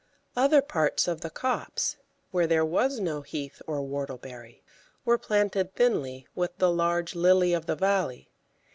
Other parts of the copse, where there was no Heath or Whortleberry, were planted thinly with the large Lily of the Valley.